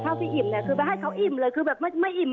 คือไม่ให้เขาอิ่มเลยไม่อิ่ม